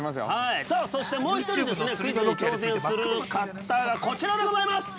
さあそして、もう１人、クイズに挑戦する方がこちらでございます。